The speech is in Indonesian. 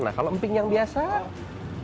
nah kalau emping yang biasa